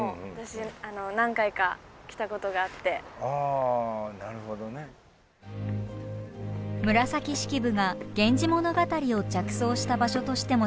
あなるほどね。紫式部が「源氏物語」を着想した場所としても知られる石山寺。